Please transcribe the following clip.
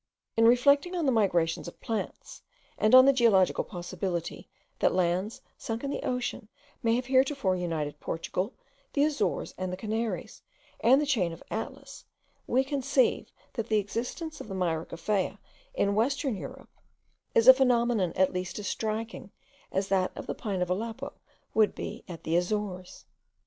In reflecting on the migrations of plants, and on the geological possibility, that lands sunk in the ocean may have heretofore united Portugal, the Azores, the Canaries, and the chain of Atlas, we conceive, that the existence of the Myrica Faya in western Europe is a phenomenon at least as striking as that of the pine of Aleppo would be at the Azores.)